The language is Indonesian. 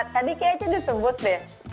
tadi kayaknya aca ditebut deh